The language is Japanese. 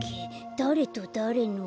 だれとだれの。